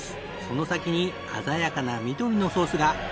その先に鮮やかな緑のソースが。